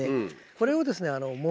これをですね。